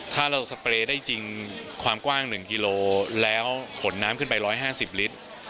ถ้าเราสเปรย์ได้จริงความกว้าง๑กิโลแล้วขนน้ำขึ้นไป๑๕๐ลิตร